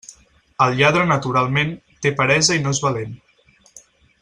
El lladre naturalment, té peresa i no és valent.